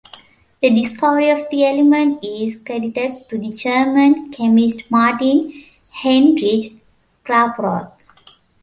The discovery of the element is credited to the German chemist Martin Heinrich Klaproth.